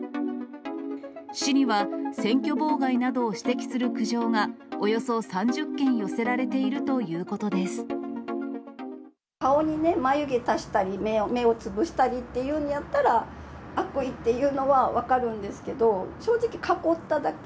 市には、選挙妨害などを指摘する苦情がおよそ３０件寄せられているという顔にね、眉毛足したりね、目をつぶしたりっていうんやったら悪意っていうのは分かるんですけど、正直、囲っただけ。